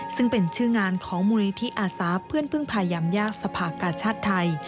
ซึ่งเป็นชื่องานของมูลนิธิอาสาเพื่อนพึ่งพายามยากสภากาชาติไทย